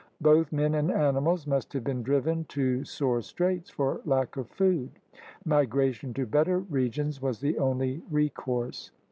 Both men and animals must have been driven to sore straits for lack of food. Migration to better regions was the only recourse.